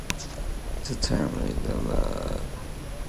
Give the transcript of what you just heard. The term is not used in academic research.